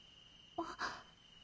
あっ！